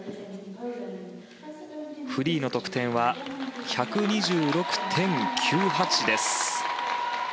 フリーの得点は１２６．９８です。